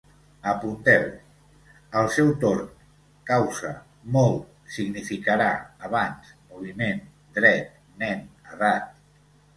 Apunteu: al seu torn, causa, molt, significarà, abans, moviment, dret, nen, edat